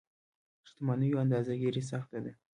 شتمنيو اندازه ګیري سخته ده.